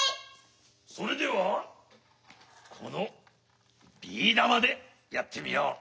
それではこのビーだまでやってみよう。